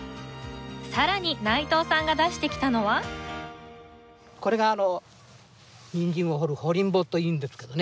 更に内藤さんが出してきたのはこれがニンジンを掘るほりん棒というんですけどね。